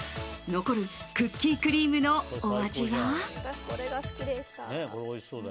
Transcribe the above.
残るクッキークリームのお味は？